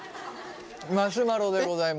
マシュマロでございます。